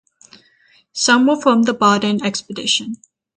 Some were from the Baudin expedition.